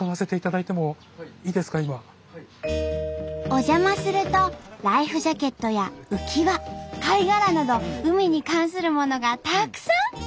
お邪魔するとライフジャケットや浮き輪貝殻など海に関するものがたくさん！